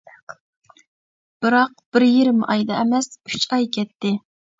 بىراق بىر يېرىم ئايدا ئەمەس ئۈچ ئاي كەتتى.